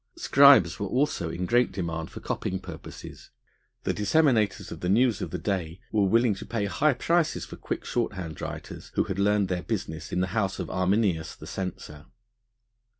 Scribes were also in great demand for copying purposes. The disseminators of the news of the day were willing to pay high prices for quick shorthand writers who had learned their business in the house of Arminius the censor.